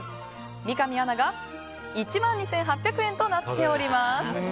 三上アナが１万２８００円となっております。